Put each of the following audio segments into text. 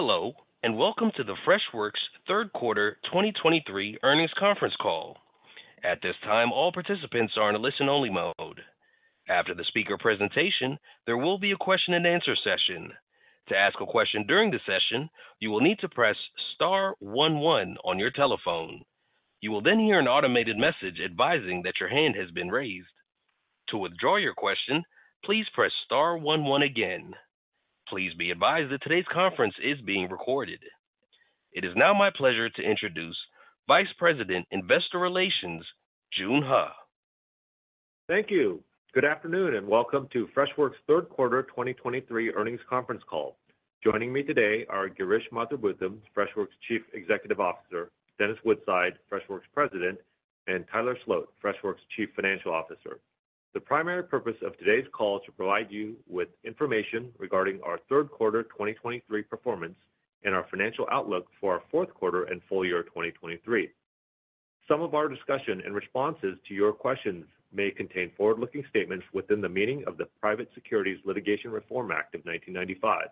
Hello, and welcome to the Freshworks Q3 2023 Earnings Conference Call. At this time, all participants are in a listen-only mode. After the speaker presentation, there will be a question-and-answer session. To ask a question during the session, you will need to press star one one on your telephone. You will then hear an automated message advising that your hand has been raised. To withdraw your question, please press star one one again. Please be advised that today's conference is being recorded. It is now my pleasure to introduce Vice President, Investor Relations, Joon Huh. Thank you. Good afternoon, and welcome to Freshworks' Q3 2023 earnings conference call. Joining me today are Girish Mathrubootham, Freshworks' Chief Executive Officer, Dennis Woodside, Freshworks' President, and Tyler Sloat, Freshworks' Chief Financial Officer. The primary purpose of today's call is to provide you with information regarding our Q3 2023 performance and our financial outlook for our Q4 and full year 2023. Some of our discussion and responses to your questions may contain forward-looking statements within the meaning of the Private Securities Litigation Reform Act of 1995.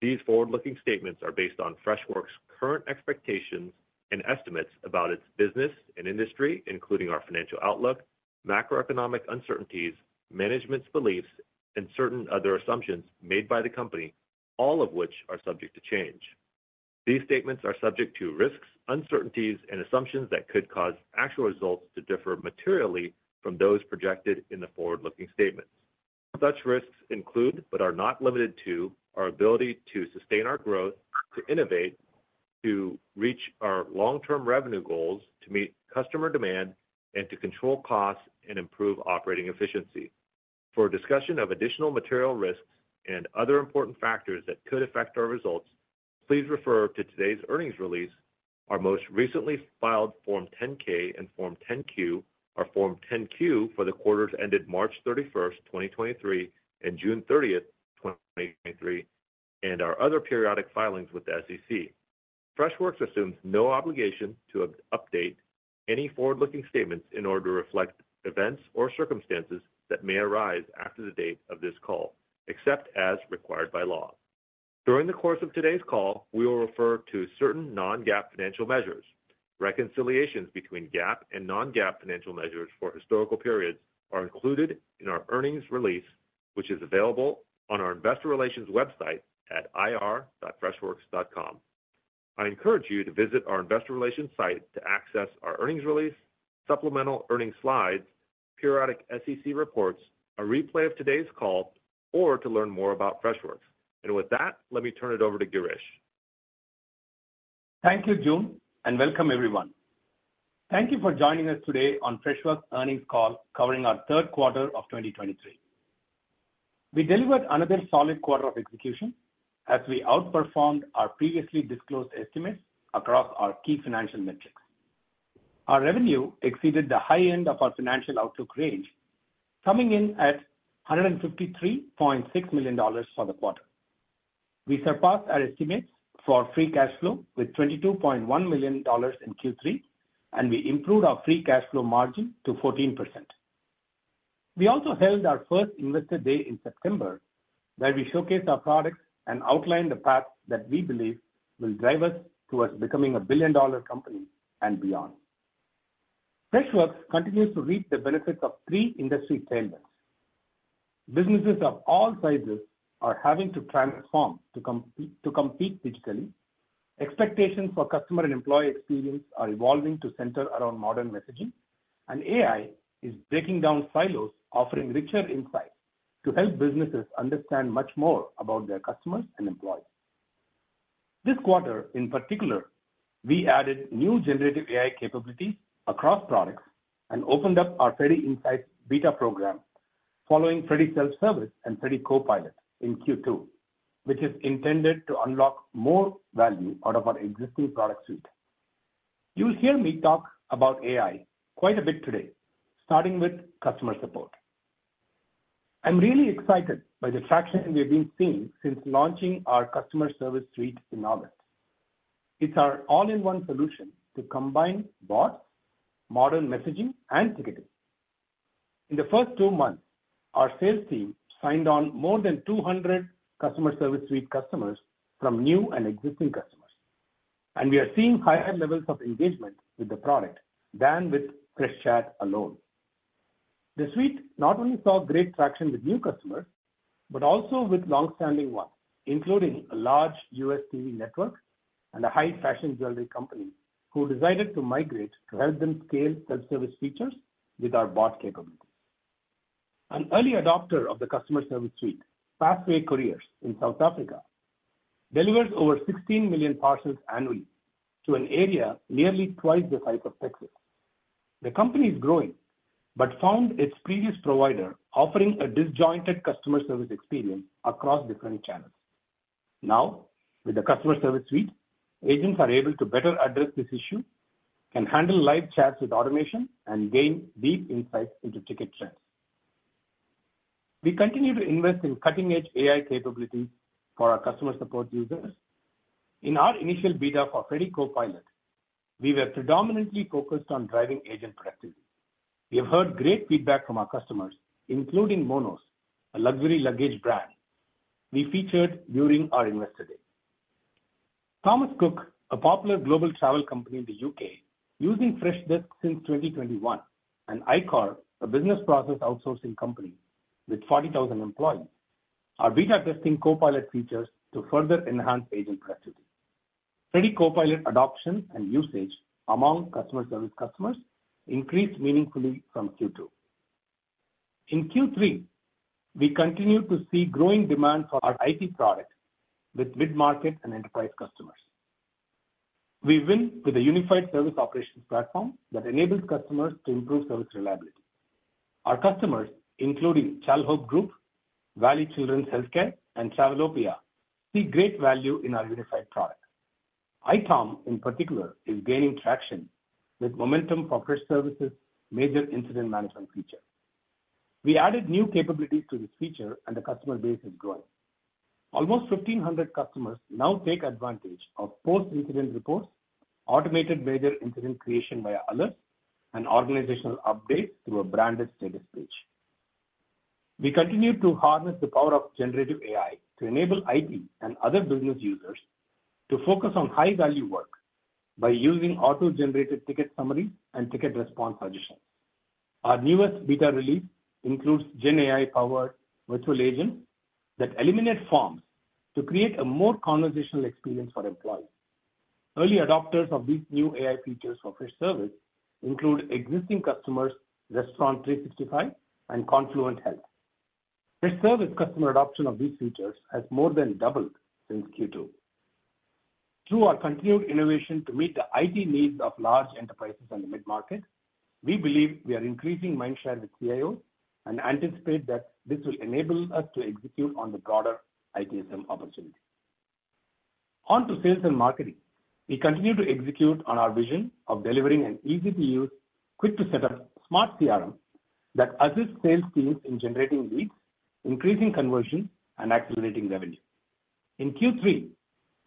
These forward-looking statements are based on Freshworks' current expectations and estimates about its business and industry, including our financial outlook, macroeconomic uncertainties, management's beliefs, and certain other assumptions made by the company, all of which are subject to change. These statements are subject to risks, uncertainties and assumptions that could cause actual results to differ materially from those projected in the forward-looking statements. Such risks include, but are not limited to, our ability to sustain our growth, to innovate, to reach our long-term revenue goals, to meet customer demand, and to control costs and improve operating efficiency. For a discussion of additional material risks and other important factors that could affect our results, please refer to today's earnings release, our most recently filed Form 10-K and Form 10-Q, our Form 10-Q for the quarters ended March 31, 2023, and June 30, 2023, and our other periodic filings with the SEC. Freshworks assumes no obligation to update any forward-looking statements in order to reflect events or circumstances that may arise after the date of this call, except as required by law. During the course of today's call, we will refer to certain non-GAAP financial measures. Reconciliations between GAAP and non-GAAP financial measures for historical periods are included in our earnings release, which is available on our investor relations website at ir.freshworks.com. I encourage you to visit our investor relations site to access our earnings release, supplemental earnings slides, periodic SEC reports, a replay of today's call, or to learn more about Freshworks. With that, let me turn it over to Girish. Thank you, Joon, and welcome everyone. Thank you for joining us today on Freshworks earnings call covering our Q3 of 2023. We delivered another solid quarter of execution as we outperformed our previously disclosed estimates across our key financial metrics. Our revenue exceeded the high end of our financial outlook range, coming in at $153.6 million for the quarter. We surpassed our estimates for free cash flow with $22.1 million in Q3, and we improved our free cash flow margin to 14%. We also held our first Investor Day in September, where we showcased our products and outlined the path that we believe will drive us towards becoming a billion-dollar company and beyond. Freshworks continues to reap the benefits of three industry tailwinds. Businesses of all sizes are having to transform to compete digitally. Expectations for customer and employee experience are evolving to center around modern messaging, and AI is breaking down silos, offering richer insights to help businesses understand much more about their customers and employees. This quarter, in particular, we added new generative AI capabilities across products and opened up our Freddy Insights beta program, following Freddy Self-Service and Freddy Copilot in Q2, which is intended to unlock more value out of our existing product suite. You'll hear me talk about AI quite a bit today, starting with customer support. I'm really excited by the traction we have been seeing since launching our Customer Service Suite in August. It's our all-in-one solution to combine bot, modern messaging, and ticketing. In the first two months, our sales team signed on more than 200 Customer Service Suite customers from new and existing customers, and we are seeing higher levels of engagement with the product than with Freshchat alone. The suite not only saw great traction with new customers, but also with long-standing ones, including a large U.S. TV network and a high-fashion jewelry company, who decided to migrate to help them scale self-service features with our bot capabilities. An early adopter of the Customer Service Suite, Fastway Couriers in South Africa, delivers over 16 million parcels annually to an area nearly twice the size of Texas. The company is growing but found its previous provider offering a disjointed customer service experience across different channels. Now, with the Customer Service Suite, agents are able to better address this issue and handle live chats with automation and gain deep insights into ticket trends. We continue to invest in cutting-edge AI capabilities for our customer support users. In our initial beta for Freddy Copilot, we were predominantly focused on driving agent productivity. We have heard great feedback from our customers, including Monos, a luxury luggage brand we featured during our Investor Day. Thomas Cook, a popular global travel company in the UK, using Freshdesk since 2021, and iQor, a business process outsourcing company with 40,000 employees, are beta testing Copilot features to further enhance agent productivity. Freddy Copilot adoption and usage among customer service customers increased meaningfully from Q2. In Q3, we continued to see growing demand for our IT product with mid-market and enterprise customers. We win with a unified service operations platform that enables customers to improve service reliability. Our customers, including Childhelp Group, Valley Children's Healthcare, and Travelopia, see great value in our unified product. ITOM, in particular, is gaining traction with momentum for Freshservice's major incident management feature. We added new capabilities to this feature, and the customer base is growing. Almost 1,500 customers now take advantage of post-incident reports, automated major incident creation via alerts, and organizational updates through a branded status page. We continue to harness the power of generative AI to enable IT and other business users to focus on high-value work by using auto-generated ticket summary and ticket response suggestions. Our newest beta release includes Gen AI-powered virtual agent that eliminate forms to create a more conversational experience for employees. Early adopters of these new AI features for Freshservice include existing customers, Restaurant365 and Confluent Health. Freshservice customer adoption of these features has more than doubled since Q2. Through our continued innovation to meet the IT needs of large enterprises and the mid-market, we believe we are increasing mindshare with CIOs and anticipate that this will enable us to execute on the broader ITSM opportunity. On to sales and marketing. We continue to execute on our vision of delivering an easy-to-use, quick-to-set-up smart CRM that assists sales teams in generating leads, increasing conversion, and accelerating revenue. In Q3,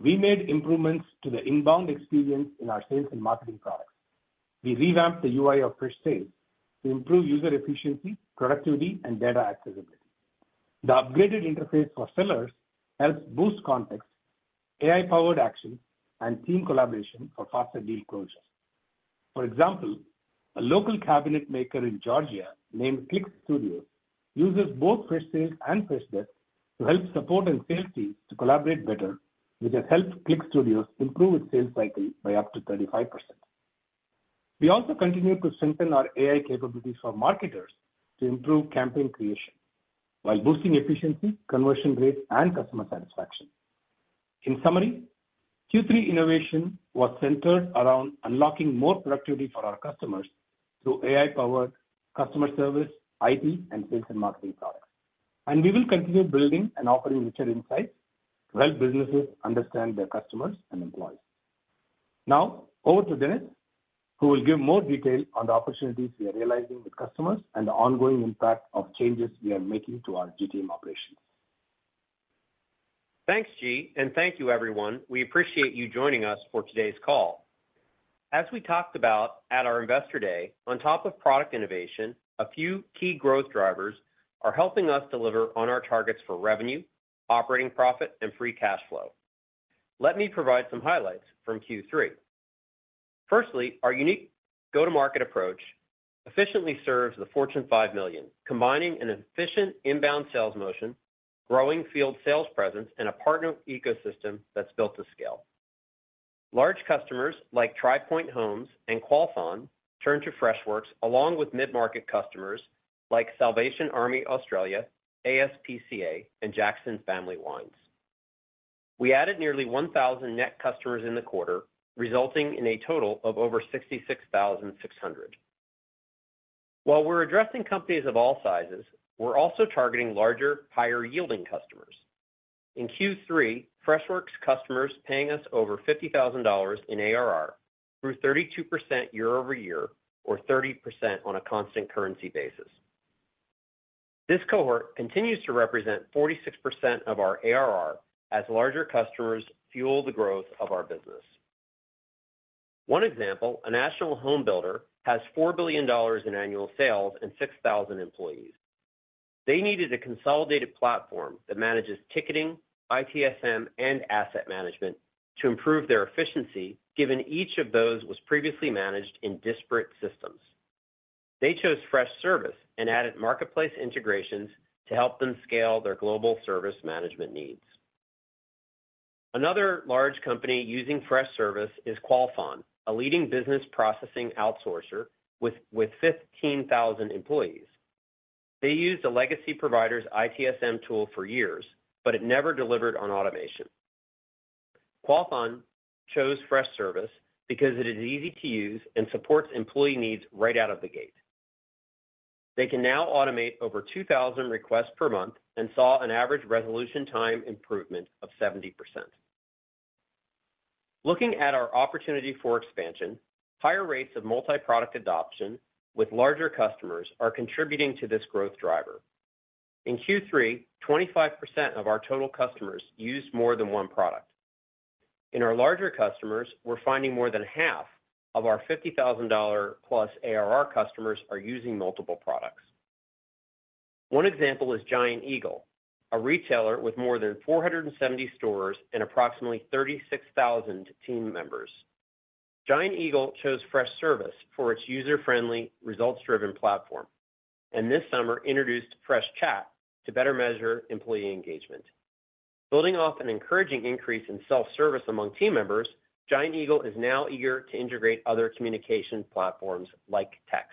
we made improvements to the inbound experience in our sales and marketing products. We revamped the UI of Freshsales to improve user efficiency, productivity, and data accessibility. The upgraded interface for sellers helps boost context, AI-powered action, and team collaboration for faster deal closure. For example, a local cabinet maker in Georgia named CliqStudios uses both Freshsales and Freshdesk to help support and sales teams to collaborate better, which has helped CliqStudios improve its sales cycle by up to 35%. We also continue to strengthen our AI capabilities for marketers to improve campaign creation, while boosting efficiency, conversion rates, and customer satisfaction. In summary, Q3 innovation was centered around unlocking more productivity for our customers through AI-powered customer service, IT, and sales and marketing products. And we will continue building and offering richer insights to help businesses understand their customers and employees. Now, over to Dennis, who will give more detail on the opportunities we are realizing with customers and the ongoing impact of changes we are making to our GTM operations. Thanks, Gee, and thank you, everyone. We appreciate you joining us for today's call. As we talked about at our Investor Day, on top of product innovation, a few key growth drivers are helping us deliver on our targets for revenue, operating profit, and free cash flow. Let me provide some highlights from Q3. Firstly, our unique go-to-market approach efficiently serves the Fortune 5 million, combining an efficient inbound sales motion, growing field sales presence, and a partner ecosystem that's built to scale. Large customers like Tri Pointe Homes and Qualfon turn to Freshworks, along with mid-market customers like Salvation Army Australia, ASPCA, and Jackson Family Wines. We added nearly 1,000 net customers in the quarter, resulting in a total of over 66,600. While we're addressing companies of all sizes, we're also targeting larger, higher-yielding customers. In Q3, Freshworks customers paying us over $50,000 in ARR grew 32% year-over-year, or 30% on a constant currency basis. This cohort continues to represent 46% of our ARR as larger customers fuel the growth of our business. One example, a national home builder, has $4 billion in annual sales and 6,000 employees. They needed a consolidated platform that manages ticketing, ITSM, and asset management to improve their efficiency, given each of those was previously managed in disparate systems. They chose Freshservice and added marketplace integrations to help them scale their global service management needs. Another large company using Freshservice is Qualfon, a leading business processing outsourcer with fifteen thousand employees. They used a legacy provider's ITSM tool for years, but it never delivered on automation. Qualfon chose Freshservice because it is easy to use and supports employee needs right out of the gate. They can now automate over 2,000 requests per month and saw an average resolution time improvement of 70%. Looking at our opportunity for expansion, higher rates of multi-product adoption with larger customers are contributing to this growth driver. In Q3, 25% of our total customers used more than one product. In our larger customers, we're finding more than half of our $50,000+ ARR customers are using multiple products. One example is Giant Eagle, a retailer with more than 470 stores and approximately 36,000 team members. Giant Eagle chose Freshservice for its user-friendly, results-driven platform, and this summer introduced Freshchat to better measure employee engagement. Building off an encouraging increase in self-service among team members, Giant Eagle is now eager to integrate other communication platforms like text.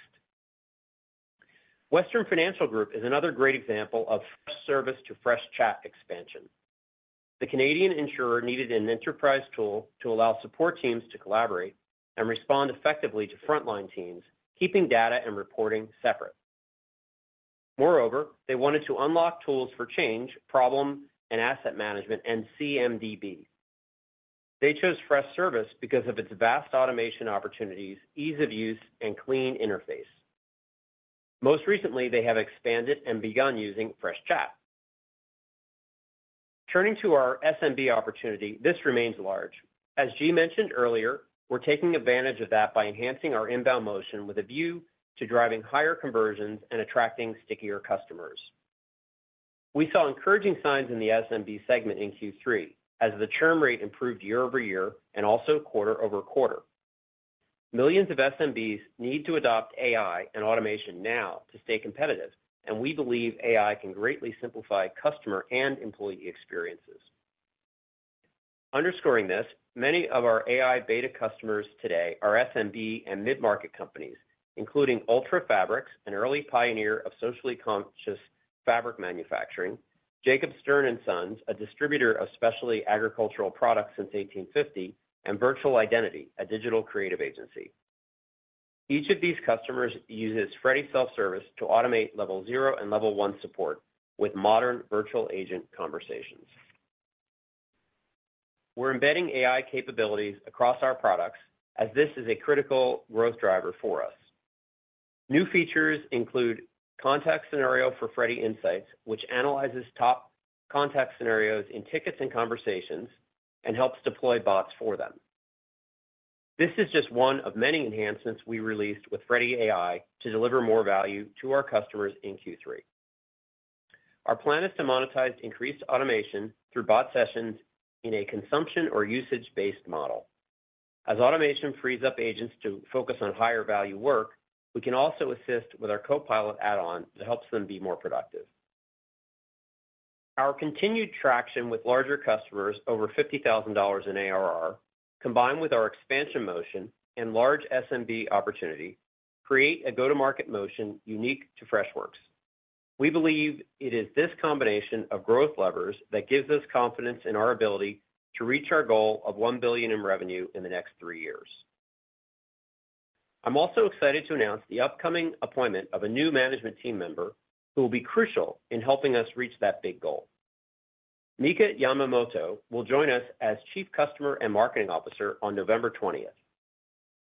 Western Financial Group is another great example of Freshservice to Freshchat expansion. The Canadian insurer needed an enterprise tool to allow support teams to collaborate and respond effectively to frontline teams, keeping data and reporting separate. Moreover, they wanted to unlock tools for change, problem, and asset management, and CMDB. They chose Freshservice because of its vast automation opportunities, ease of use, and clean interface. Most recently, they have expanded and begun using Freshchat. Turning to our SMB opportunity, this remains large. As Gee mentioned earlier, we're taking advantage of that by enhancing our inbound motion with a view to driving higher conversions and attracting stickier customers. We saw encouraging signs in the SMB segment in Q3 as the churn rate improved year-over-year and also quarter-over-quarter. Millions of SMBs need to adopt AI and automation now to stay competitive, and we believe AI can greatly simplify customer and employee experiences. Underscoring this, many of our AI beta customers today are SMB and mid-market companies, including Ultrafabrics, an early pioneer of socially conscious fabric manufacturing, Jacob Stern and Sons, a distributor of specialty agricultural products since 1850, and Virtual Identity, a digital creative agency. Each of these customers uses Freddy Self-Service to automate level zero and level one support with modern virtual agent conversations. We're embedding AI capabilities across our products as this is a critical growth driver for us. New features include contact scenario for Freddy Insights, which analyzes top contact scenarios in tickets and conversations and helps deploy bots for them. This is just one of many enhancements we released with Freddy AI to deliver more value to our customers in Q3. Our plan is to monetize increased automation through bot sessions in a consumption or usage-based model. As automation frees up agents to focus on higher value work, we can also assist with our Copilot add-on that helps them be more productive. Our continued traction with larger customers over $50,000 in ARR, combined with our expansion motion and large SMB opportunity, create a go-to-market motion unique to Freshworks. We believe it is this combination of growth levers that gives us confidence in our ability to reach our goal of $1 billion in revenue in the next three years. I'm also excited to announce the upcoming appointment of a new management team member, who will be crucial in helping us reach that big goal. Mika Yamamoto will join us as Chief Customer and Marketing Officer on November twentieth.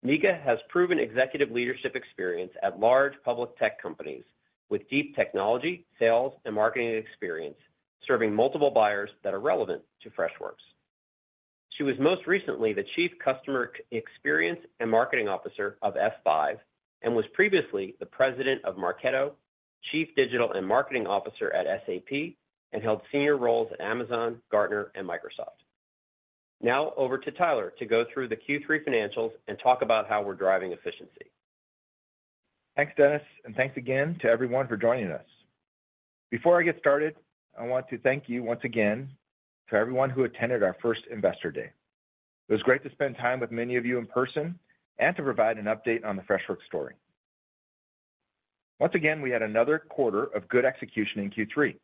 Mika has proven executive leadership experience at large public tech companies with deep technology, sales, and marketing experience, serving multiple buyers that are relevant to Freshworks. She was most recently the Chief Customer Experience and Marketing Officer of F5, and was previously the President of Marketo, Chief Digital and Marketing Officer at SAP, and held senior roles at Amazon, Gartner, and Microsoft. Now over to Tyler to go through the Q3 financials and talk about how we're driving efficiency. Thanks, Dennis, and thanks again to everyone for joining us. Before I get started, I want to thank you once again to everyone who attended our first Investor Day. It was great to spend time with many of you in person and to provide an update on the Freshworks story. Once again, we had another quarter of good execution in Q3.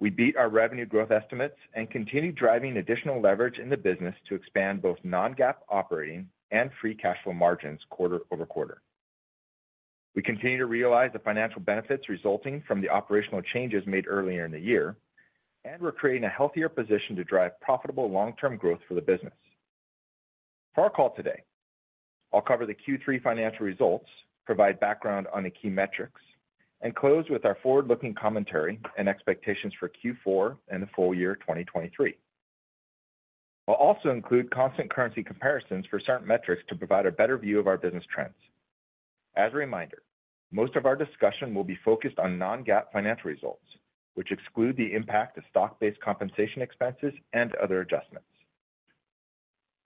We beat our revenue growth estimates and continued driving additional leverage in the business to expand both non-GAAP, operating, and free cash flow margins quarter over quarter. We continue to realize the financial benefits resulting from the operational changes made earlier in the year, and we're creating a healthier position to drive profitable long-term growth for the business. For our call today, I'll cover the Q3 financial results, provide background on the key metrics, and close with our forward-looking commentary and expectations for Q4 and the full year 2023. I'll also include constant currency comparisons for certain metrics to provide a better view of our business trends. As a reminder, most of our discussion will be focused on non-GAAP financial results, which exclude the impact of stock-based compensation expenses and other adjustments.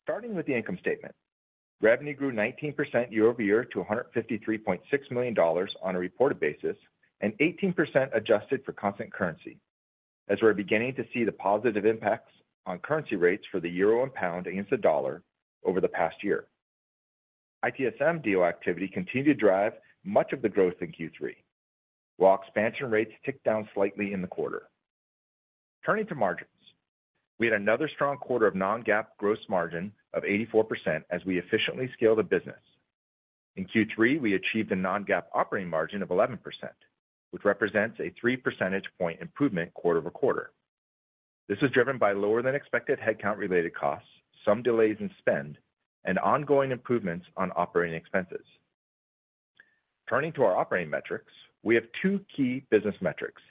Starting with the income statement, revenue grew 19% year-over-year to $153.6 million on a reported basis, and 18% adjusted for constant currency, as we're beginning to see the positive impacts on currency rates for the euro and pound against the dollar over the past year. ITSM deal activity continued to drive much of the growth in Q3, while expansion rates ticked down slightly in the quarter. Turning to margins, we had another strong quarter of non-GAAP gross margin of 84% as we efficiently scale the business. In Q3, we achieved a non-GAAP operating margin of 11%, which represents a 3 percentage point improvement quarter-over-quarter. This is driven by lower than expected headcount-related costs, some delays in spend, and ongoing improvements on operating expenses. Turning to our operating metrics, we have two key business metrics,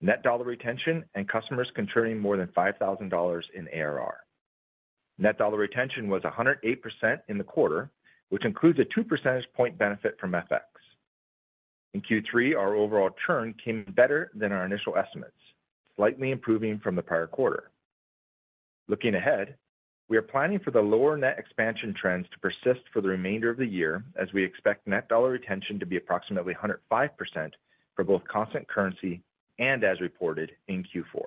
net dollar retention and customers contributing more than $5,000 in ARR. Net dollar retention was 108% in the quarter, which includes a 2 percentage point benefit from FX. In Q3, our overall churn came better than our initial estimates, slightly improving from the prior quarter. Looking ahead, we are planning for the lower net expansion trends to persist for the remainder of the year, as we expect net dollar retention to be approximately 105% for both constant currency and as reported in Q4.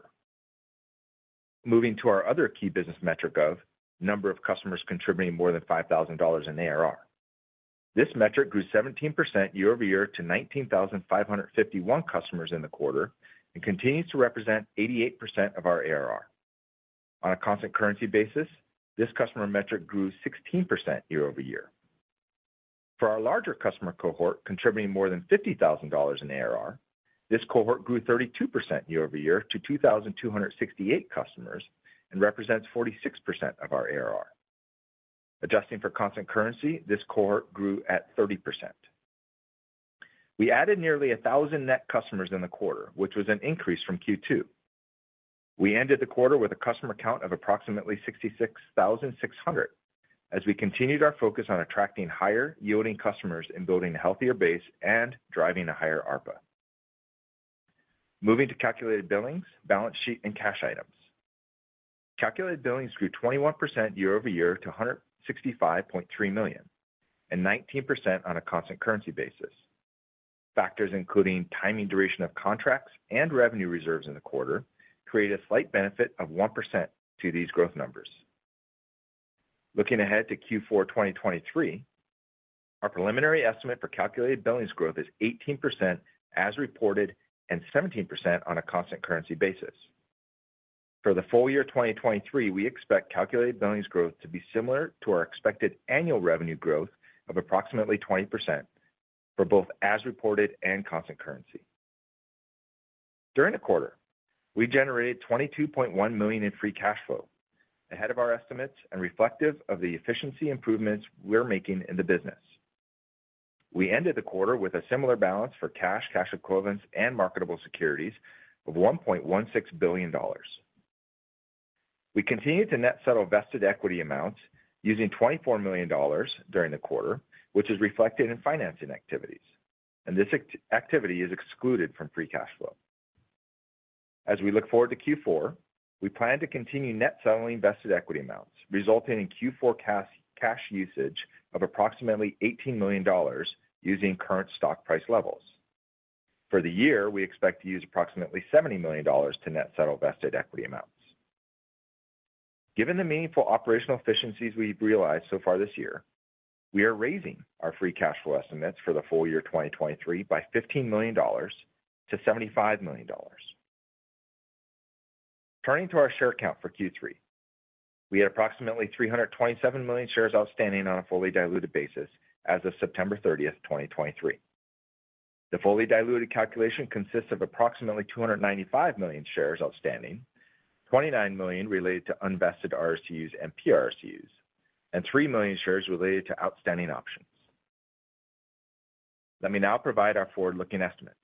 Moving to our other key business metric of number of customers contributing more than $5,000 in ARR. This metric grew 17% year-over-year to 19,551 customers in the quarter and continues to represent 88% of our ARR. On a constant currency basis, this customer metric grew 16% year-over-year. For our larger customer cohort, contributing more than $50,000 in ARR, this cohort grew 32% year-over-year to 2,268 customers and represents 46% of our ARR. Adjusting for constant currency, this cohort grew at 30%. We added nearly 1,000 net customers in the quarter, which was an increase from Q2. We ended the quarter with a customer count of approximately 66,600 as we continued our focus on attracting higher-yielding customers and building a healthier base and driving a higher ARPA. Moving to calculated billings, balance sheet and cash items. Calculated billings grew 21% year over year to $165.3 million and 19% on a constant currency basis. Factors including timing, duration of contracts, and revenue reserves in the quarter, created a slight benefit of 1% to these growth numbers. Looking ahead to Q4 2023, our preliminary estimate for calculated billings growth is 18% as reported and 17% on a constant currency basis. For the full year 2023, we expect calculated billings growth to be similar to our expected annual revenue growth of approximately 20% for both as reported and constant currency. During the quarter, we generated $22.1 million in free cash flow, ahead of our estimates and reflective of the efficiency improvements we're making in the business. We ended the quarter with a similar balance for cash, cash equivalents, and marketable securities of $1.16 billion. We continued to net settle vested equity amounts using $24 million during the quarter, which is reflected in financing activities, and this activity is excluded from free cash flow. As we look forward to Q4, we plan to continue net settling vested equity amounts, resulting in Q4 cash usage of approximately $18 million using current stock price levels. For the year, we expect to use approximately $70 million to net settle vested equity amounts. Given the meaningful operational efficiencies we've realized so far this year, we are raising our free cash flow estimates for the full year 2023 by $15 million to $75 million. Turning to our share count for Q3, we had approximately 327 million shares outstanding on a fully diluted basis as of September 30, 2023. The fully diluted calculation consists of approximately 295 million shares outstanding, 29 million related to unvested RSU and PRSU, and 3 million shares related to outstanding options. Let me now provide our forward-looking estimates.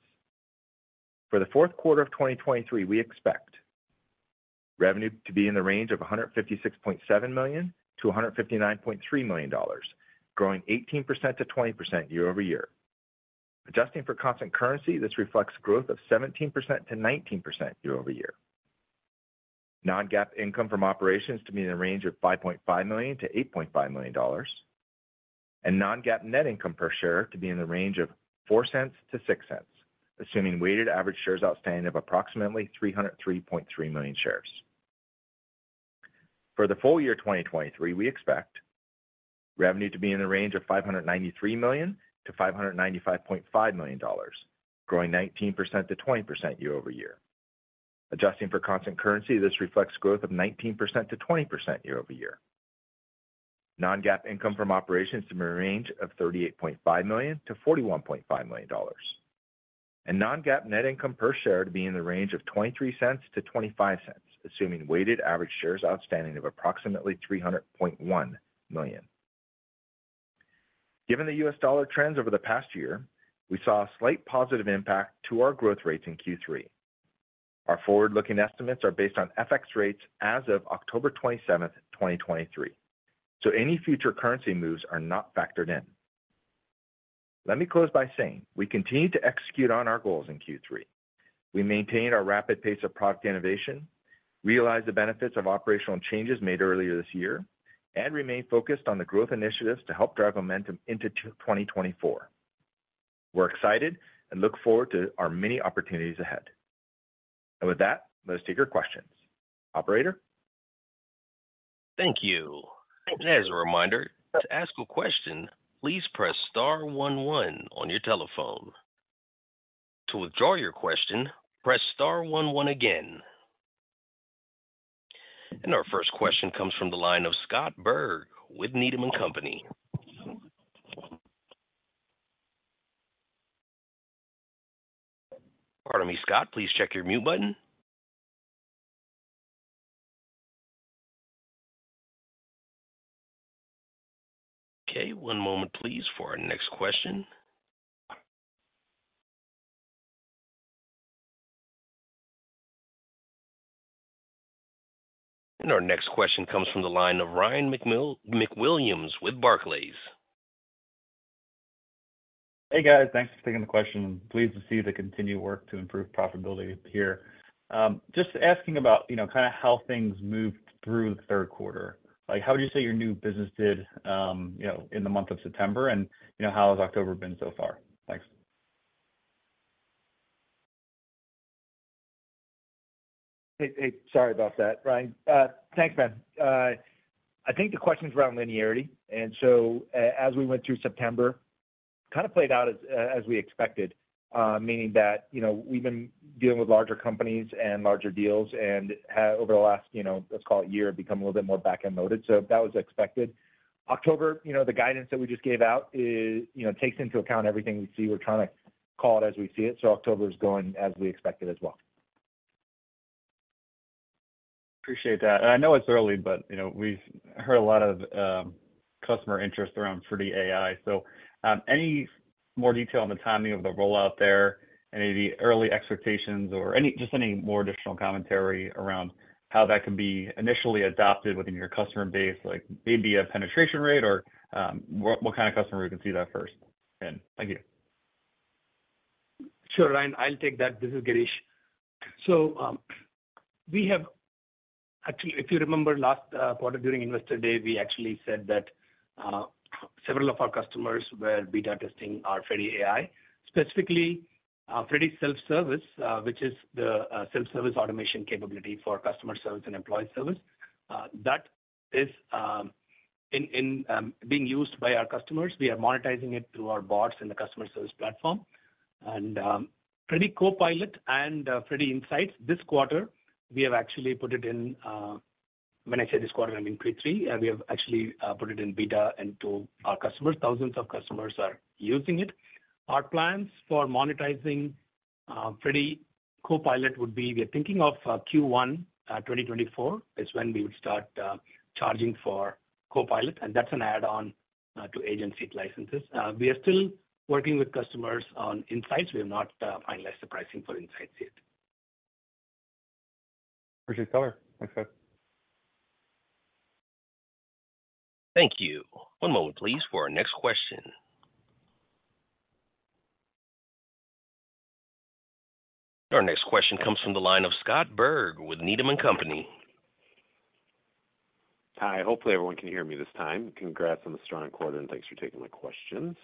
For the Q4 of 2023, we expect revenue to be in the range of $156.7 million-$159.3 million, growing 18%-20% year-over-year. Adjusting for constant currency, this reflects growth of 17%-19% year-over-year. Non-GAAP income from operations to be in the range of $5.5 million-$8.5 million, and non-GAAP net income per share to be in the range of $0.04-$0.06, assuming weighted average shares outstanding of approximately 303.3 million shares. For the full year 2023, we expect revenue to be in the range of $593 million-$595.5 million, growing 19%-20% year-over-year. Adjusting for constant currency, this reflects growth of 19%-20% year-over-year. Non-GAAP income from operations to be in a range of $38.5 million-$41.5 million, and non-GAAP net income per share to be in the range of $0.23-$0.25, assuming weighted average shares outstanding of approximately 300.1 million. Given the US dollar trends over the past year, we saw a slight positive impact to our growth rates in Q3. Our forward-looking estimates are based on FX rates as of October 27, 2023, so any future currency moves are not factored in. Let me close by saying we continue to execute on our goals in Q3. We maintained our rapid pace of product innovation, realized the benefits of operational changes made earlier this year, and remain focused on the growth initiatives to help drive momentum into 2024. We're excited and look forward to our many opportunities ahead. With that, let us take your questions. Operator? Thank you. As a reminder, to ask a question, please press star one, one on your telephone. To withdraw your question, press star one, one again. Our first question comes from the line of Scott Berg with Needham and Company. It's Scott, please check your mute button. Okay, one moment please for our next question. Our next question comes from the line of Ryan McWilliams with Barclays. Hey, guys. Thanks for taking the question. Pleased to see the continued work to improve profitability here. Just asking about, you know, kind of how things moved through the Q3. Like, how would you say your new business did, you know, in the month of September? And, you know, how has October been so far? Thanks. Hey, hey, sorry about that, Ryan. Thanks, man. I think the question is around linearity, and so as we went through September, kind of played out as, as we expected, meaning that, you know, we've been dealing with larger companies and larger deals, and have over the last, you know, let's call it year, become a little bit more back-end loaded. So that was expected. October, you know, the guidance that we just gave out is, you know, takes into account everything we see. We're trying to call it as we see it, so October is going as we expected as well. Appreciate that. I know it's early, but you know, we've heard a lot of customer interest around Freddy AI. So, any more detail on the timing of the rollout there, any of the early expectations or any, just any more additional commentary around how that can be initially adopted within your customer base? Like, maybe a penetration rate or what kind of customer we can see that first? Thank you. Sure, Ryan, I'll take that. This is Girish. So, actually, if you remember last quarter during Investor Day, we actually said that several of our customers were beta testing our Freddy AI, specifically our Freddy Self-Service, which is the self-service automation capability for customer service and employee service. That is being used by our customers. We are monetizing it through our bots in the customer service platform. And, Freddy Copilot and Freddy Insights, this quarter, we have actually put it in, when I say this quarter, I mean Q3, we have actually put it in beta into our customers. Thousands of customers are using it. Our plans for monetizing Freddy Copilot would be, we're thinking of Q1 2024, is when we would start charging for Copilot, and that's an add-on to agent seat licenses. We are still working with customers on insights. We have not finalized the pricing for insights yet. Appreciate the color. Thanks, guys. Thank you. One moment, please, for our next question. Our next question comes from the line of Scott Berg with Needham and Company. Hi, hopefully everyone can hear me this time. Congrats on the strong quarter, and thanks for taking my questions.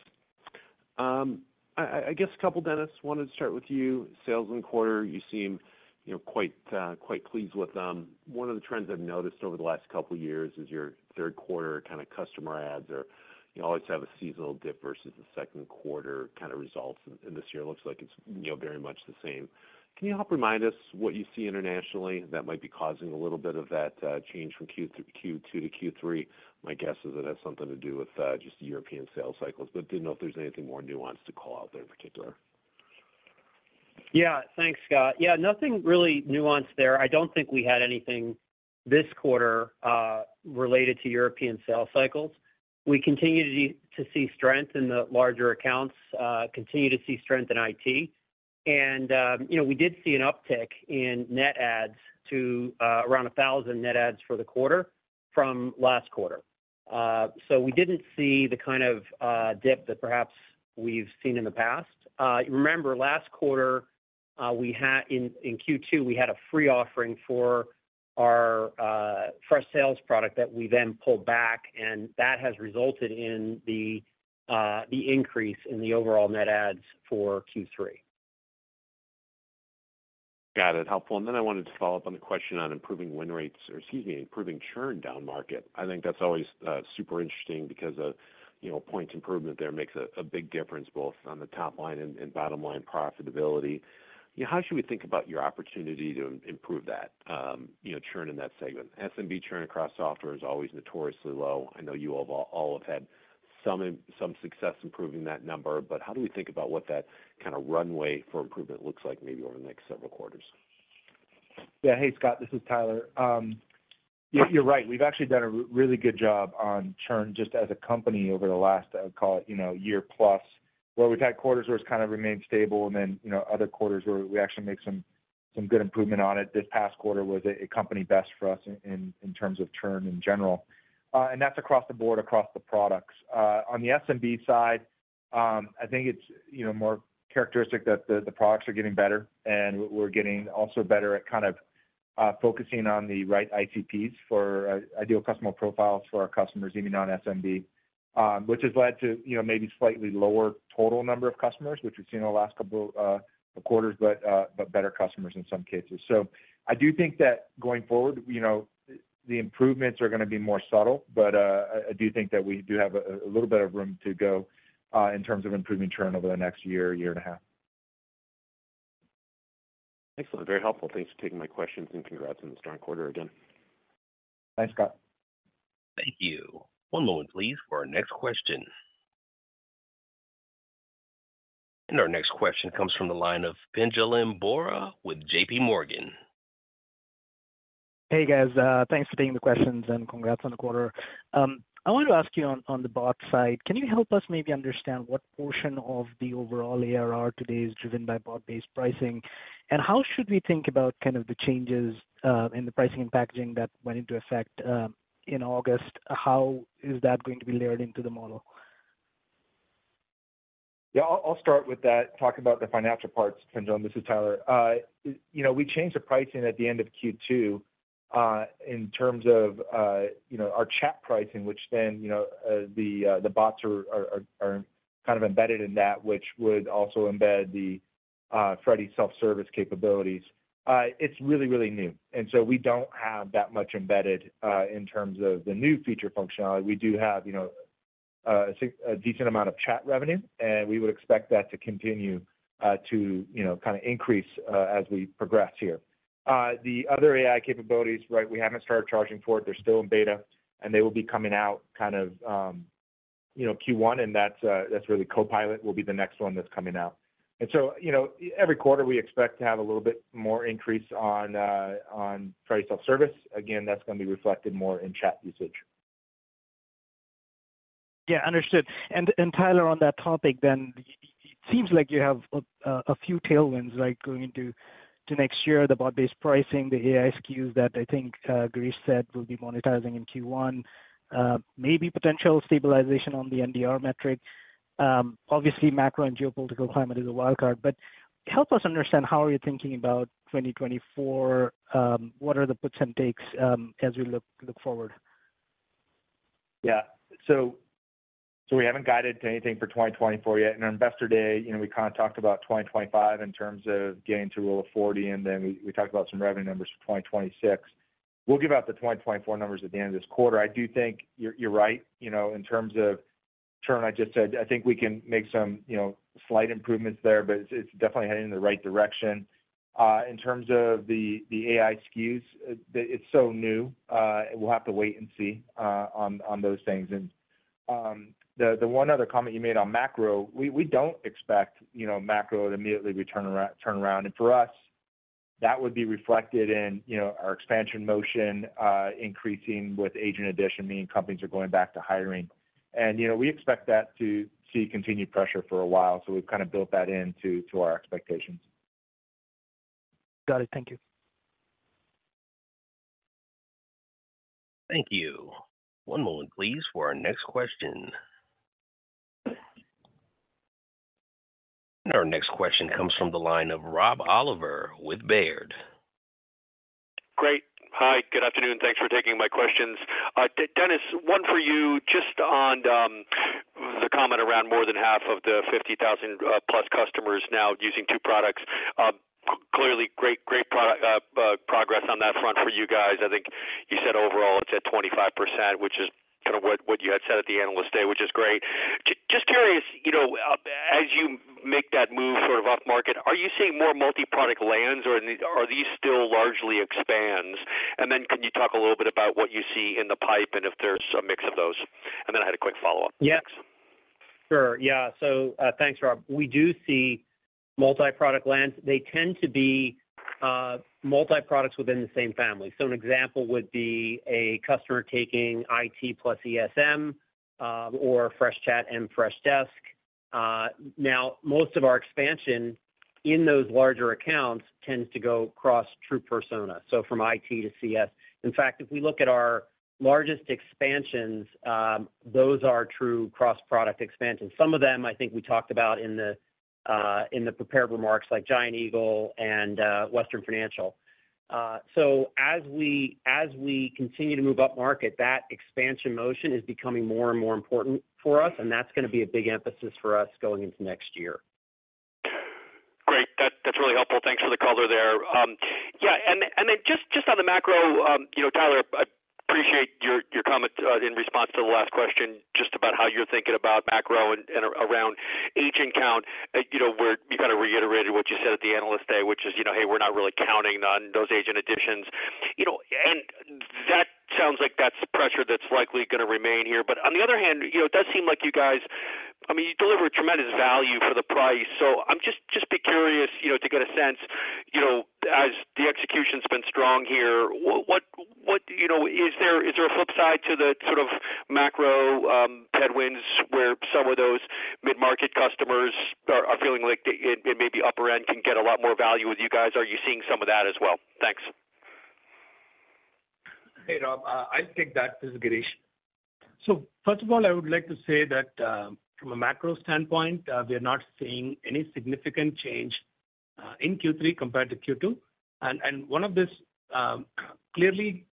I guess a couple, Dennis, wanted to start with you. Sales in quarter, you seem, you know, quite pleased with them. One of the trends I've noticed over the last couple of years is your Q3 customer adds are, you always have a seasonal dip versus the Q2 kind of results, and this year looks like it's, you know, very much the same. Can you help remind us what you see internationally that might be causing a little bit of that change from Q to Q2 to Q3? My guess is that has something to do with just the European sales cycles, but didn't know if there's anything more nuanced to call out there in particular. Yeah. Thanks, Scott. Yeah, nothing really nuanced there. I don't think we had anything this quarter related to European sales cycles. We continue to see strength in the larger accounts, continue to see strength in IT. And, you know, we did see an uptick in net adds to around 1,000 net adds for the quarter from last quarter. So we didn't see the kind of dip that perhaps we've seen in the past. Remember, last quarter, in Q2, we had a free offering for our Freshsales product that we then pulled back, and that has resulted in the increase in the overall net adds for Q3. Got it. Helpful. And then I wanted to follow up on the question on improving win rates, or excuse me, improving churn downmarket. I think that's always super interesting because you know, points improvement there makes a big difference, both on the top line and bottom line profitability. How should we think about your opportunity to improve that, you know, churn in that segment? SMB churn across software is always notoriously low. I know you all have had some success improving that number, but how do we think about what that kind of runway for improvement looks like, maybe over the next several quarters? Yeah. Hey, Scott, this is Tyler. You're, you're right. We've actually done a really good job on churn just as a company over the last, I would call it, you know, year plus, where we've had quarters where it's kind of remained stable, and then, you know, other quarters where we actually make some good improvement on it. This past quarter was a company best for us in terms of churn in general, and that's across the board, across the products. On the SMB side, I think it's, you know, more characteristic that the products are getting better, and we're getting also better at kind of focusing on the right ICPs for ideal customer profiles for our customers, even on SMB, which has led to, you know, maybe slightly lower total number of customers, which we've seen in the last couple quarters, but better customers in some cases. So I do think that going forward, you know, the improvements are gonna be more subtle, but I do think that we do have a little bit of room to go in terms of improving churn over the next year and a half.... Excellent, very helpful. Thanks for taking my questions and congrats on the strong quarter again. Thanks, Scott. Thank you. One moment, please, for our next question. Our next question comes from the line of Pinjalim Bora with JP Morgan. Hey, guys, thanks for taking the questions and congrats on the quarter. I wanted to ask you on the bot side, can you help us maybe understand what portion of the overall ARR today is driven by bot-based pricing? And how should we think about kind of the changes in the pricing and packaging that went into effect in August? How is that going to be layered into the model? Yeah, I'll start with that, talking about the financial parts, Pinjalim. This is Tyler. You know, we changed the pricing at the end of Q2 in terms of you know, our chat pricing, which then you know, the bots are kind of embedded in that, which would also embed the Freddy Self-Service capabilities. It's really new, and so we don't have that much embedded in terms of the new feature functionality. We do have a decent amount of chat revenue, and we would expect that to continue to kind of increase as we progress here. The other AI capabilities, right, we haven't started charging for it. They're still in beta, and they will be coming out kind of, you know, Q1, and that's really Copilot will be the next one that's coming out. And so, you know, every quarter, we expect to have a little bit more increase on Freddy self-service. Again, that's gonna be reflected more in chat usage. Yeah, understood. And Tyler, on that topic, it seems like you have a few tailwinds, like, going into next year, the bot-based pricing, the AI SKUs that I think Girish said will be monetizing in Q1, maybe potential stabilization on the NDR metric. Obviously, macro and geopolitical climate is a wild card, but help us understand how are you thinking about 2024? What are the puts and takes as we look forward? Yeah. So, so we haven't guided to anything for 2024 yet. In our Investor Day, you know, we kind of talked about 2025 in terms of getting to Rule of 40, and then we, we talked about some revenue numbers for 2026. We'll give out the 2024 numbers at the end of this quarter. I do think you're, you're right, you know, in terms of churn, I just said I think we can make some, you know, slight improvements there, but it's, it's definitely heading in the right direction. In terms of the, the AI SKUs, the... It's so new, we'll have to wait and see, on, on those things. And, the, the one other comment you made on macro, we, we don't expect, you know, macro to immediately be turn around, turn around. For us, that would be reflected in, you know, our expansion motion, increasing with agent addition, meaning companies are going back to hiring. You know, we expect that to see continued pressure for a while, so we've kind of built that into our expectations. Got it. Thank you. Thank you. One moment, please, for our next question. Our next question comes from the line of Rob Oliver with Baird. Great. Hi, good afternoon. Thanks for taking my questions. Dennis, one for you, just on the comment around more than half of the 50,000 plus customers now using two products. Clearly great, great product progress on that front for you guys. I think you said overall it's at 25%, which is kind of what you had said at the Analyst Day, which is great. Just curious, you know, as you make that move sort of upmarket, are you seeing more multi-product lands, or are these, are these still largely expands? And then can you talk a little bit about what you see in the pipe and if there's a mix of those? And then I had a quick follow-up. Yes, sure. Yeah. So, thanks, Rob. We do see multi-product lands. They tend to be, multi-products within the same family. So an example would be a customer taking IT plus ESM, or Freshchat and Freshdesk. Now, most of our expansion in those larger accounts tends to go across true persona, so from IT to CS. In fact, if we look at our largest expansions, those are true cross-product expansions. Some of them, I think we talked about in the, in the prepared remarks, like Giant Eagle and, Western Financial. So as we, as we continue to move upmarket, that expansion motion is becoming more and more important for us, and that's gonna be a big emphasis for us going into next year. Great. That's really helpful. Thanks for the color there. Yeah, and then just on the macro, you know, Tyler, I appreciate your comment in response to the last question, just about how you're thinking about macro and around agent count. You know, where you kind of reiterated what you said at the Analyst Day, which is, you know, "Hey, we're not really counting on those agent additions." You know, and that sounds like that's the pressure that's likely gonna remain here. But on the other hand, you know, it does seem like you guys, I mean, you deliver tremendous value for the price, so I'm just be curious, you know, to get a sense, you know, as the execution's been strong here, what, you know, is there, is there a flip side to the sort of macro headwinds, where some of those mid-market customers are feeling like it maybe upper end can get a lot more value with you guys? Are you seeing some of that as well? Thanks. Hey, Rob. I'll take that. This is Girish. So first of all, I would like to say that, from a macro standpoint, we are not seeing any significant change, in Q3 compared to Q2. And one of this, clearly,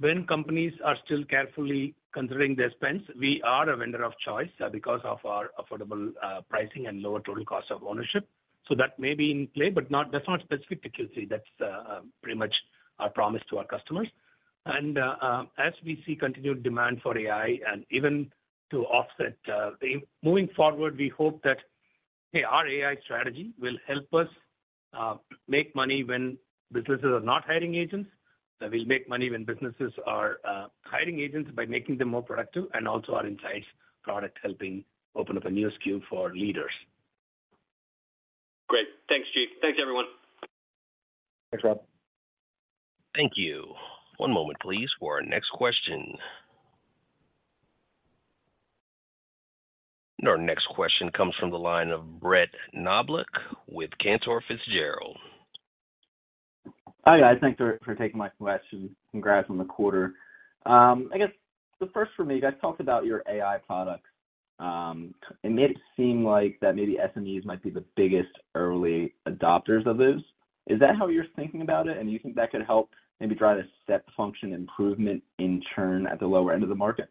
when companies are still carefully considering their spends, we are a vendor of choice, because of our affordable, pricing and lower total cost of ownership. So that may be in play, but not, that's not specific to Q3. That's pretty much our promise to our customers. And as we see continued demand for AI and even-... to offset, moving forward, we hope that, hey, our AI strategy will help us make money when businesses are not hiring agents, that we'll make money when businesses are hiring agents by making them more productive, and also our Insights product helping open up a new SKU for leaders. Great. Thanks, Chief. Thanks, everyone. Thanks, Rob. Thank you. One moment, please, for our next question. Our next question comes from the line of Brett Knoblauch with Cantor Fitzgerald. Hi, guys. Thanks for, for taking my question. Congrats on the quarter. I guess the first for me, you guys talked about your AI product, and made it seem like that maybe SMEs might be the biggest early adopters of this. Is that how you're thinking about it, and you think that could help maybe drive a step function improvement in churn at the lower end of the market?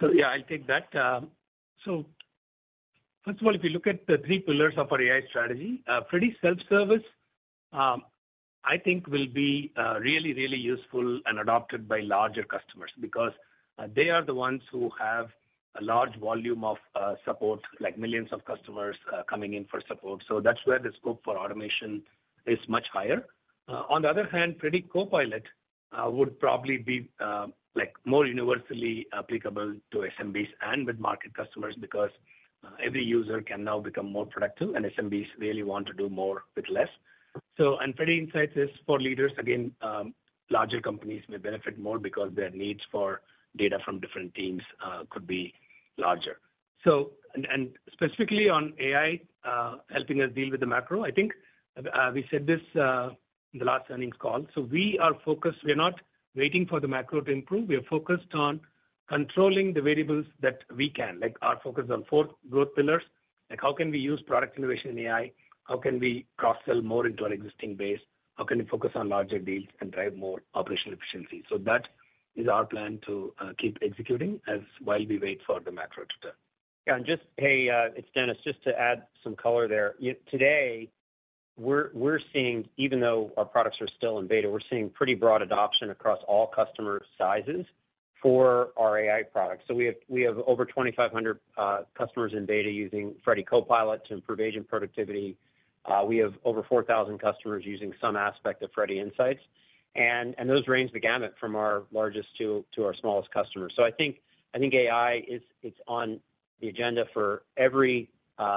So, yeah, I'll take that. So first of all, if you look at the three pillars of our AI strategy, Freddy Self-Service, I think will be really, really useful and adopted by larger customers because they are the ones who have a large volume of support, like millions of customers coming in for support. So that's where the scope for automation is much higher. On the other hand, Freddy Copilot would probably be like more universally applicable to SMBs and mid-market customers because every user can now become more productive, and SMBs really want to do more with less. So and Freddy Insights is for leaders. Again, larger companies may benefit more because their needs for data from different teams could be larger. Specifically on AI helping us deal with the macro, I think we said this in the last earnings call. We are focused. We are not waiting for the macro to improve. We are focused on controlling the variables that we can, like our focus on four growth pillars, like how can we use product innovation in AI? How can we cross-sell more into our existing base? How can we focus on larger deals and drive more operational efficiency? So that is our plan to keep executing as while we wait for the macro to turn. Yeah, and just, hey, it's Dennis. Just to add some color there. Today, we're seeing, even though our products are still in beta, we're seeing pretty broad adoption across all customer sizes for our AI products. So we have over 2,500 customers in beta using Freddy Copilot to improve agent productivity. We have over 4,000 customers using some aspect of Freddy Insights, and those range the gamut from our largest to our smallest customers. So I think AI is on the agenda for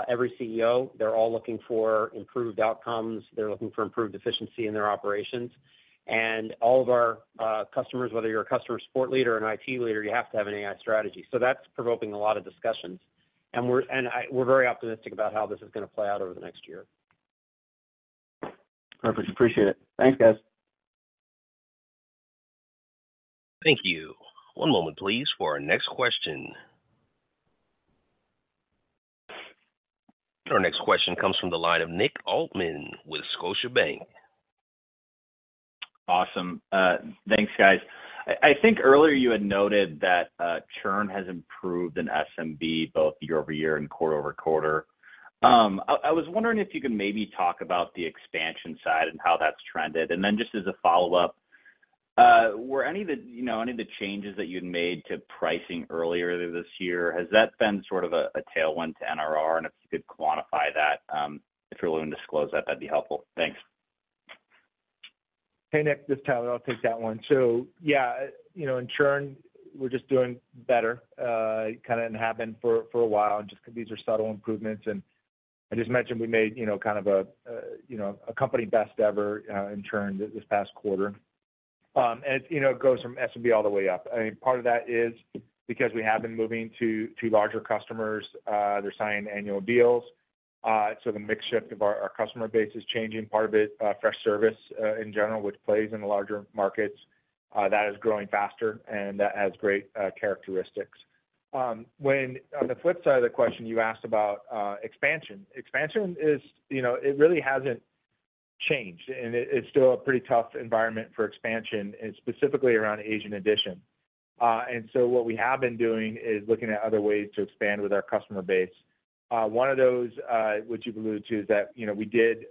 every CEO. They're all looking for improved outcomes. They're looking for improved efficiency in their operations. And all of our customers, whether you're a customer support leader or an IT leader, you have to have an AI strategy. So that's provoking a lot of discussions, and we're very optimistic about how this is gonna play out over the next year. Perfect. Appreciate it. Thanks, guys. Thank you. One moment, please, for our next question. Our next question comes from the line of Nick Altman with Scotiabank. Awesome. Thanks, guys. I think earlier you had noted that, churn has improved in SMB, both year-over-year and quarter-over-quarter. I was wondering if you could maybe talk about the expansion side and how that's trended. And then just as a follow-up, were any of the, you know, any of the changes that you'd made to pricing earlier this year, has that been sort of a tailwind to NRR? And if you could quantify that, if you're willing to disclose that, that'd be helpful. Thanks. Hey, Nick, this is Tyler. I'll take that one. So, yeah, you know, in churn, we're just doing better, kind of have been for a while, and just these are subtle improvements. And I just mentioned we made, you know, kind of a company best ever in churn this past quarter. And, you know, it goes from SMB all the way up. I mean, part of that is because we have been moving to larger customers, they're signing annual deals. So the mix shift of our customer base is changing. Part of it, Freshservice in general, which plays in the larger markets, that is growing faster, and that has great characteristics. When on the flip side of the question, you asked about expansion. Expansion is, you know, it really hasn't changed, and it, it's still a pretty tough environment for expansion, and specifically around agent addition. And so what we have been doing is looking at other ways to expand with our customer base. One of those, which you've alluded to, is that, you know, we did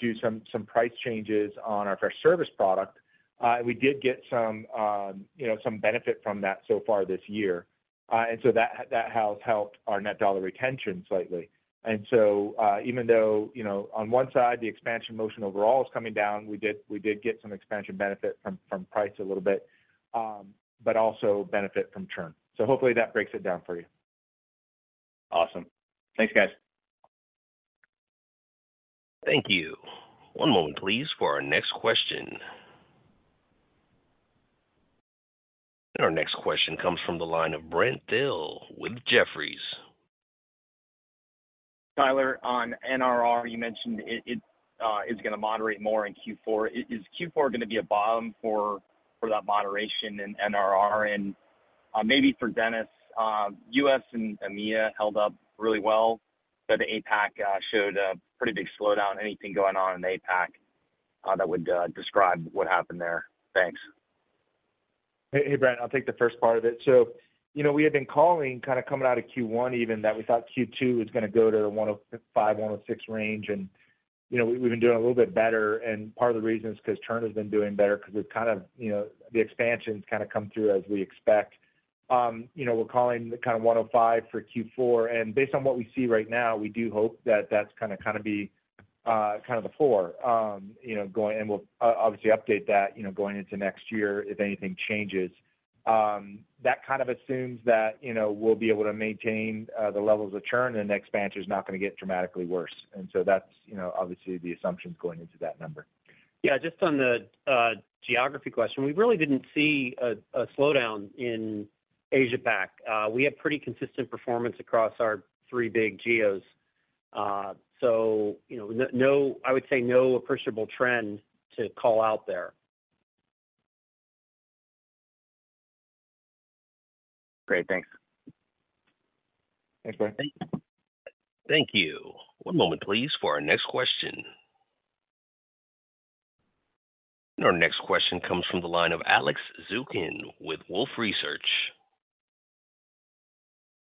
do some, some price changes on our Freshservice product. We did get some, you know, some benefit from that so far this year. And so that, that has helped our net dollar retention slightly. And so, even though, you know, on one side, the expansion motion overall is coming down, we did, we did get some expansion benefit from, from price a little bit, but also benefit from churn. So hopefully that breaks it down for you. Awesome. Thanks, guys. Thank you. One moment, please, for our next question. Our next question comes from the line of Brent Thill with Jefferies. Tyler, on NRR, you mentioned it is gonna moderate more in Q4. Is Q4 gonna be a bottom for that moderation in NRR? And maybe for Dennis, U.S. and EMEA held up really well, but the APAC showed a pretty big slowdown. Anything going on in APAC that would describe what happened there? Thanks. Hey, hey, Brent, I'll take the first part of it. So, you know, we had been calling, kind of coming out of Q1 even, that we thought Q2 was gonna go to the $105-$106 range. You know, we've been doing a little bit better, and part of the reason is 'cause churn has been doing better, 'cause we've kind of, you know, the expansion's kind of come through as we expect. You know, we're calling the kind of $105 for Q4, and based on what we see right now, we do hope that that's gonna kind of be kind of the floor. You know, going, and we'll obviously update that, you know, going into next year if anything changes. That kind of assumes that, you know, we'll be able to maintain the levels of churn, and expansion is not gonna get dramatically worse. And so that's, you know, obviously the assumptions going into that number. Yeah, just on the geography question, we really didn't see a slowdown in Asia Pac. We have pretty consistent performance across our three big geos. So, you know, no... I would say no appreciable trend to call out there. Great. Thanks. Thanks, Brent. Thank you. One moment, please, for our next question. Our next question comes from the line of Alex Zukin with Wolfe Research.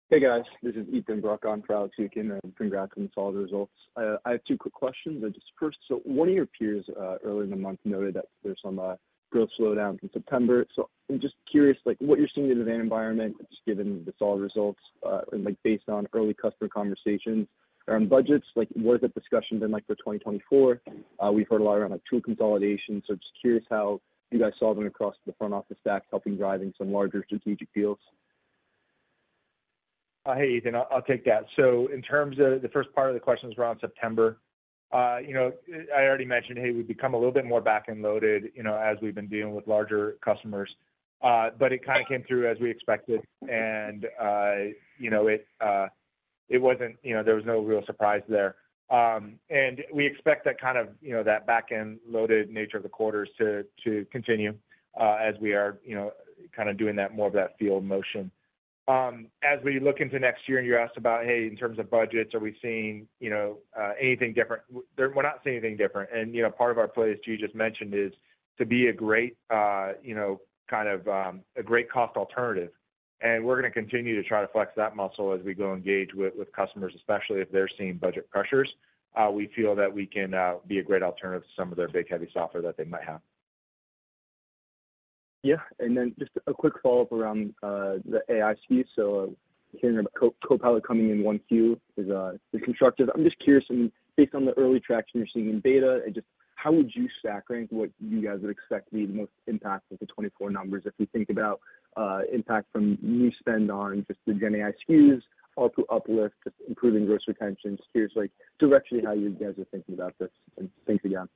Hey, guys. This is Ethan Bruck on for Alex Zukin, and congrats on the solid results. I have two quick questions. Just first, so one of your peers earlier in the month noted that there's some growth slowdown in September. So I'm just curious, like, what you're seeing in the environment, just given the solid results, and, like, based on early customer conversations around budgets, like, were the discussions in, like, for 2024? We've heard a lot around, like, tool consolidation. So just curious how you guys saw them across the front office stack, helping driving some larger strategic deals. Hey, Ethan, I'll take that. So in terms of the first part of the question was around September. You know, I already mentioned, hey, we've become a little bit more back-end loaded, you know, as we've been dealing with larger customers. But it kind of came through as we expected, and, you know, it wasn't, you know, there was no real surprise there. And we expect that kind of, you know, that back-end loaded nature of the quarters to continue, as we are, you know, kind of doing that, more of that field motion. As we look into next year, and you asked about, hey, in terms of budgets, are we seeing, you know, anything different? We're not seeing anything different. You know, part of our play, as G just mentioned, is to be a great, you know, kind of, a great cost alternative, and we're gonna continue to try to flex that muscle as we go engage with customers, especially if they're seeing budget pressures. We feel that we can be a great alternative to some of their big, heavy software that they might have. Yeah. And then just a quick follow-up around the AI suite. So, hearing about Copilot coming in Q1 is constructive. I'm just curious, and based on the early traction you're seeing in beta, and just how would you stack rank what you guys would expect to be the most impactful to 2024 numbers? If we think about impact from new spend on just the GenAI SKUs, all to uplift, just improving gross retention. Just curious, like, directionally, how you guys are thinking about this, and thanks again.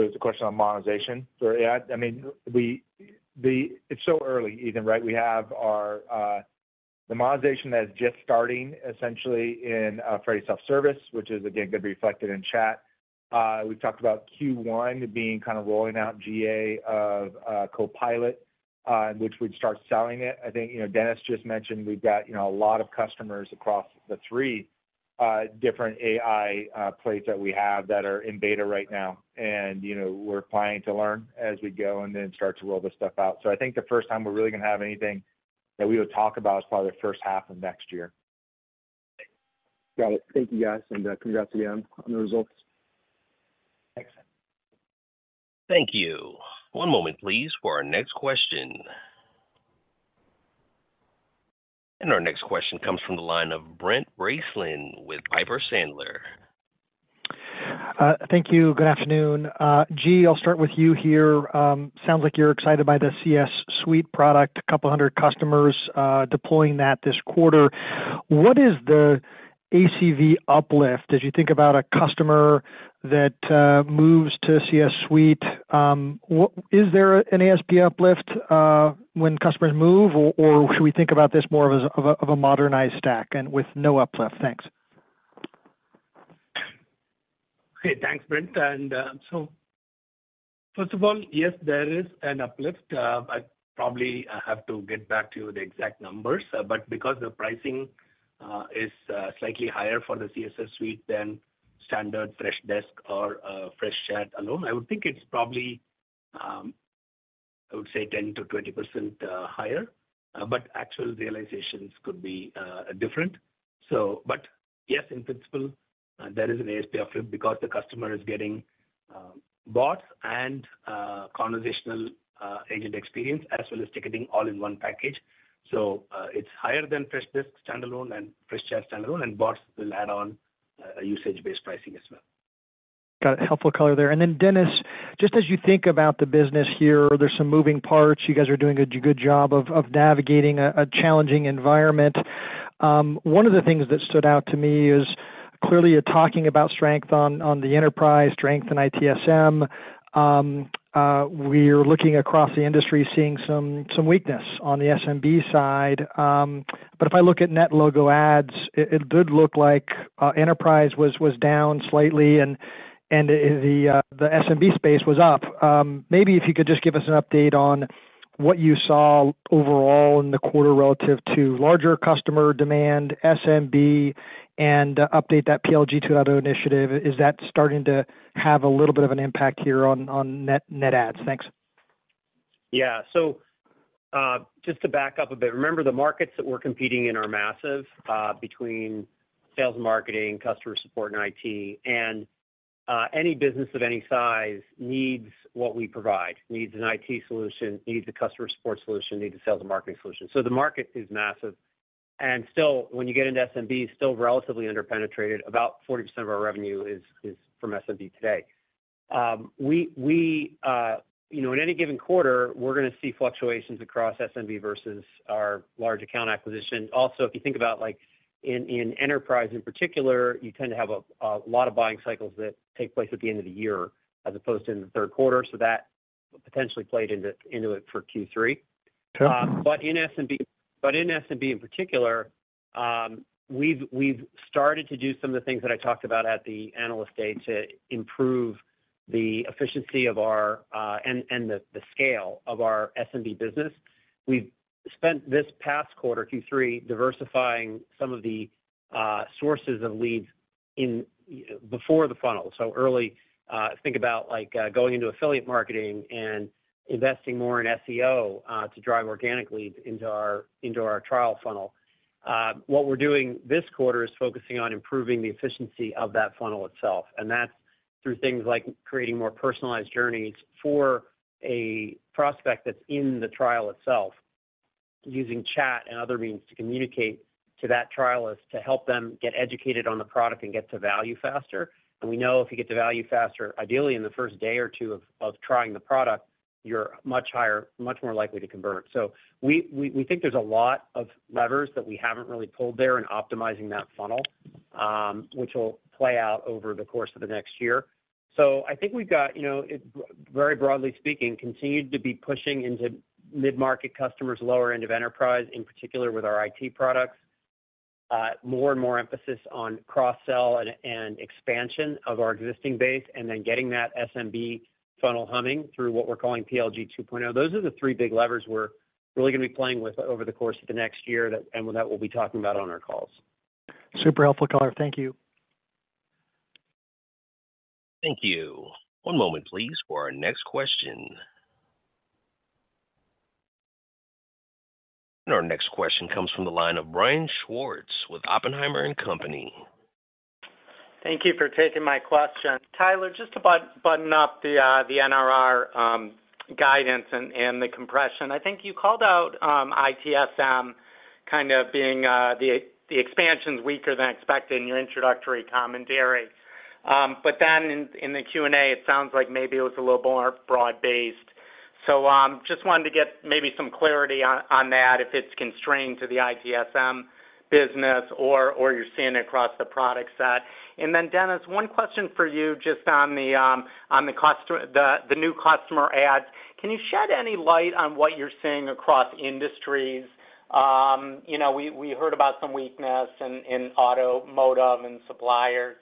There's a question on monetization. So, yeah, I mean, it's so early, Ethan, right? We have our, the monetization that is just starting essentially in, Freddy Self-Service, which is again, gonna be reflected in chat. We've talked about Q1 being kind of rolling out GA of, Copilot, which we'd start selling it. I think, you know, Dennis just mentioned we've got, you know, a lot of customers across the three different AI platforms that we have that are in beta right now. And, you know, we're planning to learn as we go and then start to roll this stuff out. So I think the first time we're really gonna have anything that we would talk about is probably the first half of next year. Got it. Thank you, guys, and congrats again on the results. Thanks. Thank you. One moment, please, for our next question. Our next question comes from the line of Brent Bracelin with Piper Sandler. Thank you. Good afternoon. G, I'll start with you here. Sounds like you're excited by the CS Suite product, 200 customers deploying that this quarter. What is the ACV uplift as you think about a customer that moves to CS Suite? Is there an ASP uplift when customers move, or should we think about this more as a modernized stack with no uplift? Thanks. Hey, thanks, Brent. And, so first of all, yes, there is an uplift. I probably have to get back to you the exact numbers, but because the pricing is slightly higher for the CSS suite than standard Freshdesk or Freshchat alone, I would think it's probably I would say 10%-20% higher, but actual realizations could be different. So but yes, in principle, there is an ASP uplift because the customer is getting bots and conversational agent experience, as well as ticketing all in one package. So, it's higher than Freshdesk standalone and Freshchat standalone, and bots will add on a usage-based pricing as well. Got it. Helpful color there. And then, Dennis, just as you think about the business here, there's some moving parts. You guys are doing a good job of navigating a challenging environment. One of the things that stood out to me is, clearly you're talking about strength on the enterprise, strength in ITSM. We're looking across the industry, seeing some weakness on the SMB side. But if I look at net logo adds, it did look like enterprise was down slightly, and the SMB space was up. Maybe if you could just give us an update on what you saw overall in the quarter relative to larger customer demand, SMB, and update that PLG 2.0 initiative. Is that starting to have a little bit of an impact here on net adds? Thanks.... Yeah. So, just to back up a bit, remember, the markets that we're competing in are massive, between sales and marketing, customer support, and IT. And, any business of any size needs what we provide, needs an IT solution, needs a customer support solution, needs a sales and marketing solution. So the market is massive, and still, when you get into SMB, still relatively under-penetrated. About 40% of our revenue is, is from SMB today. We, you know, in any given quarter, we're gonna see fluctuations across SMB versus our large account acquisition. Also, if you think about, like, in enterprise in particular, you tend to have a lot of buying cycles that take place at the end of the year as opposed to in the Q3. So that potentially played into it for Q3. But in SMB, in particular, we've started to do some of the things that I talked about at the Analyst Day to improve the efficiency and the scale of our SMB business. We've spent this past quarter, Q3, diversifying some of the sources of leads in before the funnel. So early, think about, like, going into affiliate marketing and investing more in SEO to drive organic leads into our trial funnel. What we're doing this quarter is focusing on improving the efficiency of that funnel itself, and that's through things like creating more personalized journeys for a prospect that's in the trial itself, using chat and other means to communicate to that trialist, to help them get educated on the product and get to value faster. And we know if you get to value faster, ideally in the first day or two of trying the product, you're much higher—much more likely to convert. So we think there's a lot of levers that we haven't really pulled there in optimizing that funnel, which will play out over the course of the next year. So I think we've got, you know, it—very broadly speaking, continued to be pushing into mid-market customers, lower end of enterprise, in particular, with our IT products. More and more emphasis on cross-sell and expansion of our existing base, and then getting that SMB funnel humming through what we're calling PLG 2.0. Those are the three big levers we're really gonna be playing with over the course of the next year, that we'll be talking about on our calls. Super helpful, Tyler. Thank you. Thank you. One moment, please, for our next question. Our next question comes from the line of Brian Schwartz with Oppenheimer and Company. Thank you for taking my question. Tyler, just to button up the NRR guidance and the compression, I think you called out ITSM kind of being the expansion's weaker than expected in your introductory commentary. But then in the Q&A, it sounds like maybe it was a little more broad-based. So just wanted to get maybe some clarity on that, if it's constrained to the ITSM business or you're seeing it across the product set. And then, Dennis, one question for you, just on the customer -- the new customer adds. Can you shed any light on what you're seeing across industries? You know, we heard about some weakness in automotive and suppliers.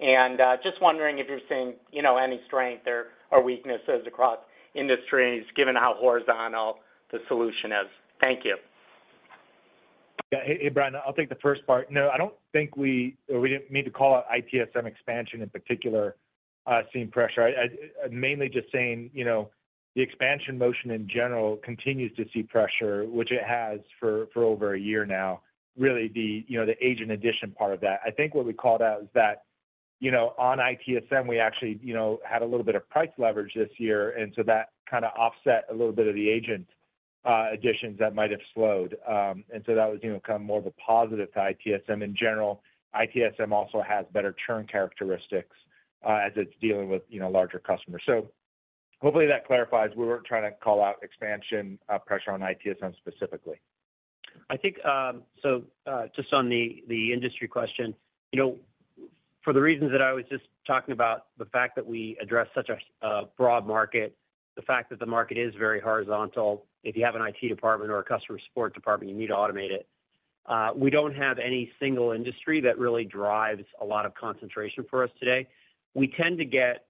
Just wondering if you're seeing, you know, any strength or, or weaknesses across industries, given how horizontal the solution is. Thank you. Yeah. Hey, hey, Brian, I'll take the first part. No, I don't think we, or we didn't mean to call out ITSM expansion in particular, seeing pressure. I mainly just saying, you know, the expansion motion in general continues to see pressure, which it has for over a year now, really the, you know, the agent addition part of that. I think what we called out is that, you know, on ITSM, we actually, you know, had a little bit of price leverage this year, and so that kinda offset a little bit of the agent additions that might have slowed. And so that was, you know, kind of more of a positive to ITSM. In general, ITSM also has better churn characteristics, as it's dealing with, you know, larger customers. So hopefully that clarifies. We weren't trying to call out expansion, pressure on ITSM specifically. I think, so, just on the industry question, you know, for the reasons that I was just talking about, the fact that we address such a broad market, the fact that the market is very horizontal, if you have an IT department or a customer support department, you need to automate it. We don't have any single industry that really drives a lot of concentration for us today. We tend to get.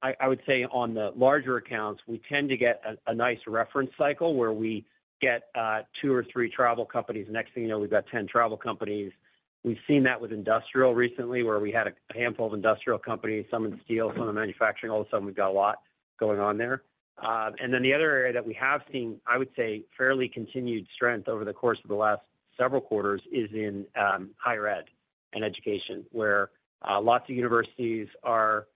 I would say on the larger accounts, we tend to get a nice reference cycle, where we get two or three travel companies. Next thing you know, we've got 10 travel companies. We've seen that with industrial recently, where we had a handful of industrial companies, some in steel, some in manufacturing. All of a sudden, we've got a lot going on there. And then the other area that we have seen, I would say, fairly continued strength over the course of the last several quarters is in higher ed and education, where lots of universities are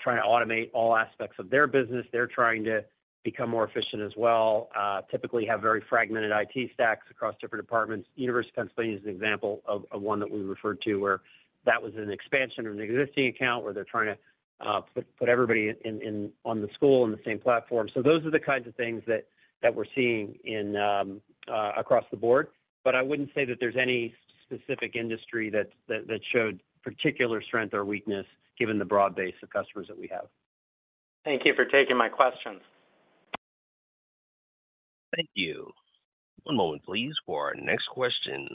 trying to automate all aspects of their business. They're trying to become more efficient as well, typically have very fragmented IT stacks across different departments. University of Pennsylvania is an example of one that we referred to, where that was an expansion of an existing account, where they're trying to put everybody in on the school in the same platform. So those are the kinds of things that we're seeing in across the board, but I wouldn't say that there's any specific industry that showed particular strength or weakness, given the broad base of customers that we have. Thank you for taking my questions. Thank you. One moment, please, for our next question.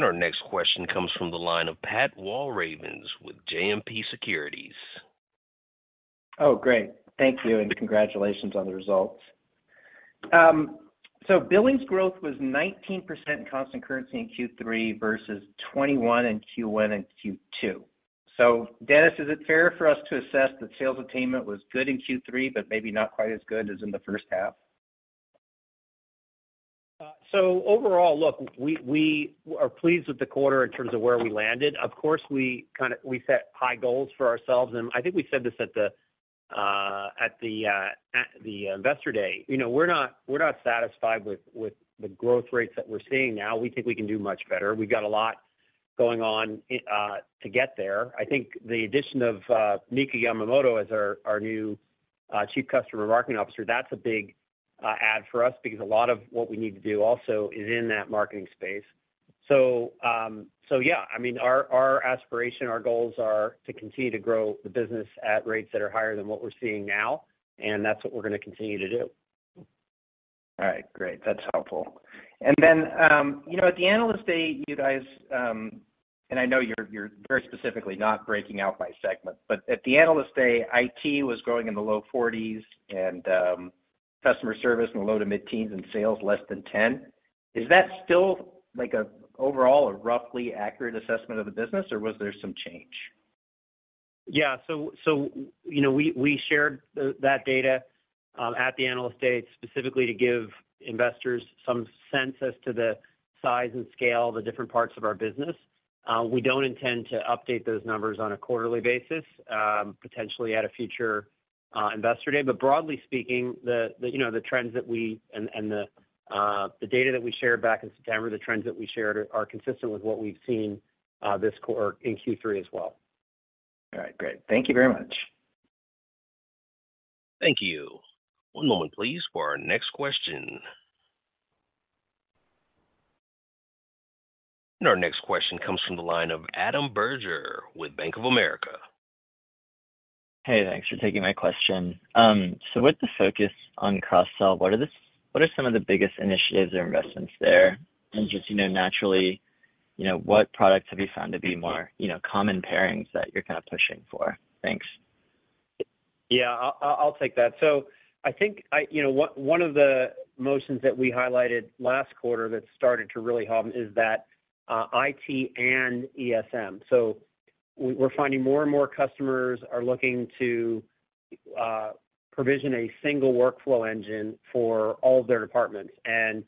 Our next question comes from the line of Pat Walravens with JMP Securities. Oh, great. Thank you, and congratulations on the results.... So billings growth was 19% in constant currency in Q3 versus 21% in Q1 and Q2. So Dennis, is it fair for us to assess that sales attainment was good in Q3, but maybe not quite as good as in the first half? So overall, look, we, we are pleased with the quarter in terms of where we landed. Of course, we kind of, we set high goals for ourselves, and I think we said this at the, at the, at the Investor Day. You know, we're not, we're not satisfied with, with the growth rates that we're seeing now. We think we can do much better. We've got a lot going on, to get there. I think the addition of, Mika Yamamoto as our, our new, Chief Customer and Marketing Officer, that's a big, add for us because a lot of what we need to do also is in that marketing space. Yeah, I mean, our aspiration, our goals are to continue to grow the business at rates that are higher than what we're seeing now, and that's what we're gonna continue to do. All right, great. That's helpful. And then, you know, at the Analyst Day, you guys, and I know you're very specifically not breaking out by segment, but at the Analyst Day, IT was growing in the low 40s and, customer service in the low- to mid-10s and sales less than 10. Is that still like a overall, a roughly accurate assessment of the business, or was there some change? Yeah, so, you know, we shared that data at the Analyst Day specifically to give investors some sense as to the size and scale of the different parts of our business. We don't intend to update those numbers on a quarterly basis, potentially at a future Investor Day. But broadly speaking, you know, the trends that we and the data that we shared back in September, the trends that we shared are consistent with what we've seen in Q3 as well. All right, great. Thank you very much. Thank you. One moment, please, for our next question. Our next question comes from the line of Adam Bergere with Bank of America. Hey, thanks for taking my question. So with the focus on cross-sell, what are some of the biggest initiatives or investments there? Just, you know, naturally, you know, what products have you found to be more, you know, common pairings that you're kind of pushing for? Thanks. Yeah, I'll take that. So I think... You know, one of the motions that we highlighted last quarter that started to really hum is that, IT and ESM. So we're finding more and more customers are looking to provision a single workflow engine for all of their departments. And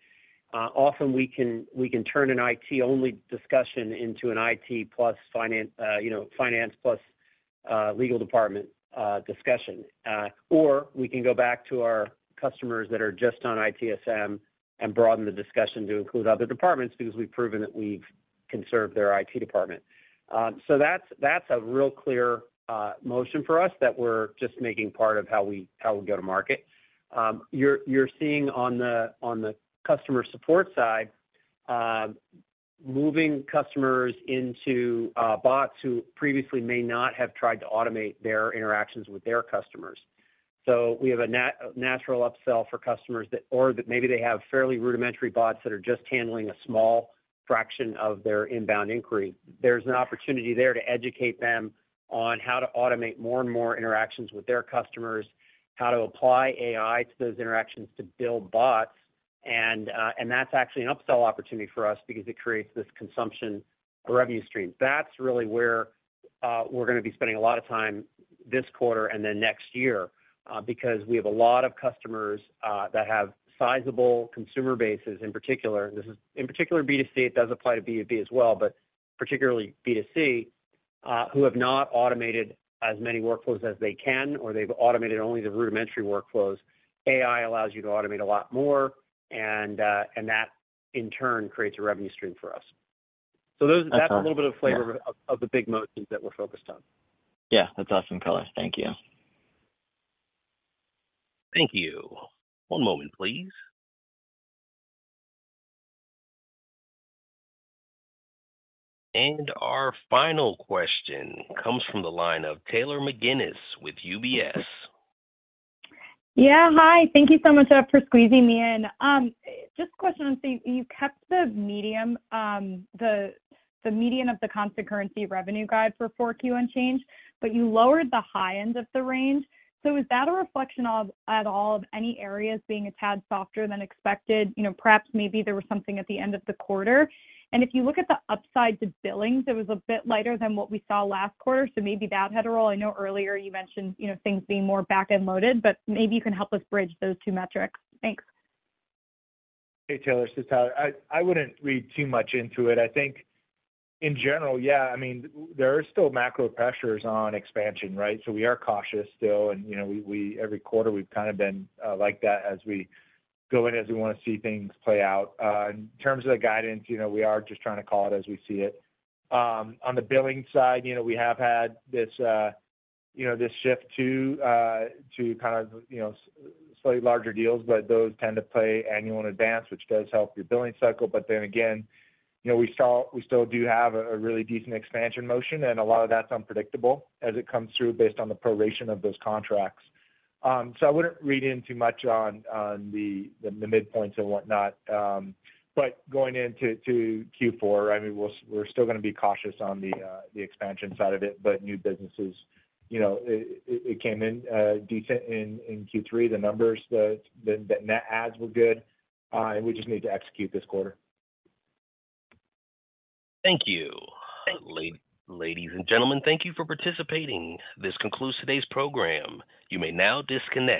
often we can turn an IT-only discussion into an IT plus finance, you know, finance plus legal department discussion. Or we can go back to our customers that are just on ITSM and broaden the discussion to include other departments, because we've proven that we can serve their IT department. So that's a real clear motion for us, that we're just making part of how we go to market. You're seeing on the customer support side, moving customers into bots who previously may not have tried to automate their interactions with their customers. So we have a natural upsell for customers that, or that maybe they have fairly rudimentary bots that are just handling a small fraction of their inbound inquiry. There's an opportunity there to educate them on how to automate more and more interactions with their customers, how to apply AI to those interactions to build bots, and that's actually an upsell opportunity for us because it creates this consumption revenue stream. That's really where we're gonna be spending a lot of time this quarter and then next year, because we have a lot of customers that have sizable consumer bases in particular. This is in particular B2C, it does apply to B2B as well, but particularly B2C, who have not automated as many workflows as they can, or they've automated only the rudimentary workflows. AI allows you to automate a lot more, and, and that, in turn, creates a revenue stream for us. Okay. Those, that's a little bit of flavor of, of the big motions that we're focused on. Yeah, that's awesome color. Thank you. Thank you. One moment, please. Our final question comes from the line of Taylor McGinnis with UBS. Yeah, hi. Thank you so much for squeezing me in. Just a question, so you kept the median of the constant currency revenue guide for Q4 unchanged, but you lowered the high end of the range. So is that a reflection of any areas being a tad softer than expected? You know, perhaps maybe there was something at the end of the quarter. And if you look at the upside to billings, it was a bit lighter than what we saw last quarter, so maybe that had a role. I know earlier you mentioned things being more back-end loaded, but maybe you can help us bridge those two metrics. Thanks. Hey, Taylor, this is Tyler. I wouldn't read too much into it. I think in general, yeah, I mean, there are still macro pressures on expansion, right? So we are cautious still, and, you know, we every quarter, we've kind of been like that as we go in, as we wanna see things play out. In terms of the guidance, you know, we are just trying to call it as we see it. On the billing side, you know, we have had this, you know, this shift to kind of, you know, slightly larger deals, but those tend to play annual in advance, which does help your billing cycle. But then again, you know, we saw, we still do have a really decent expansion motion, and a lot of that's unpredictable as it comes through based on the proration of those contracts. So I wouldn't read in too much on the midpoints and whatnot. But going into Q4, I mean, we're still gonna be cautious on the expansion side of it, but new businesses, you know, it came in decent in Q3. The numbers, the net adds were good, and we just need to execute this quarter. Thank you. Thank you. Ladies and gentlemen, thank you for participating. This concludes today's program. You may now disconnect.